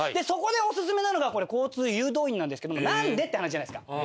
そこでオススメなのがこれ交通誘導員なんですけどもなんで？って話じゃないですか。